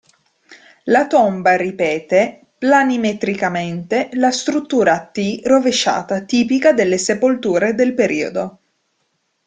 La tomba ripete, planimetricamente, la struttura a "T" rovesciata tipica delle sepolture del periodo.